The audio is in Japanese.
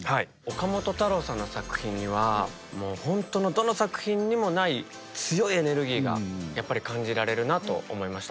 岡本太郎さんの作品にはほんとのどの作品にもない強いエネルギーがやっぱり感じられるなと思いました。